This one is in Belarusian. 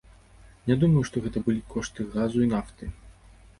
Не думаю, што гэта былі кошты газу і нафты.